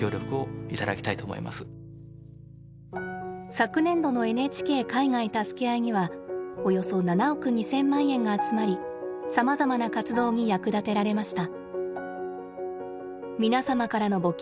昨年度の「ＮＨＫ海外たすけあい」にはおよそ７億２，０００万円が集まりさまざまな活動に役立てられました。